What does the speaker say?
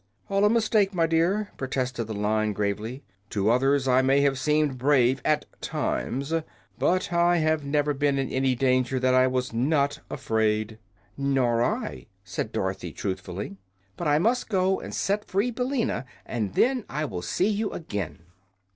"All a mistake, my dear," protested the Lion gravely. "To others I may have seemed brave, at times, but I have never been in any danger that I was not afraid." "Nor I," said Dorothy, truthfully. "But I must go and set free Billina, and then I will see you again."